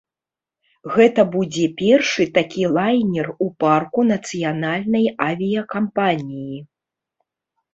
Гэта будзе першы такі лайнер у парку нацыянальнай авіякампаніі.